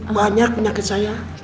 banyak penyakit saya